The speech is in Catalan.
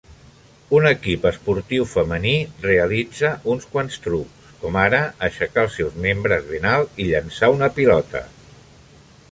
Un equip esportiu femení realitza uns quants trucs, com ara aixecar els seus membres ben alt i llençar una pilota.